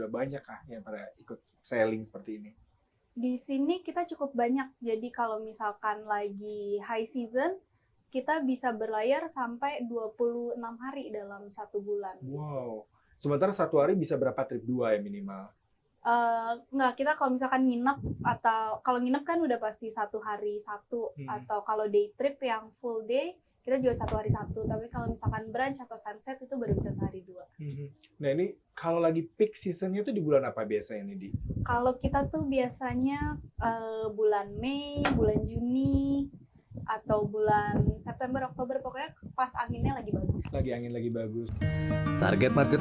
bulan september oktober pokoknya pas anginnya lagi bagus lagi angin lagi bagus target market